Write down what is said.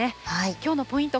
きょうのポイント